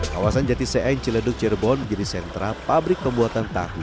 kawasan jatis cien cileduk cirebon menjadi sentra pabrik pembuatan tahu